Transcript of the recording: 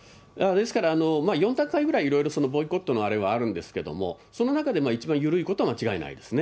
ですから、４段階くらい、いろいろボイコットのあれはあるんですけど、その中で一番緩いことは間違いない。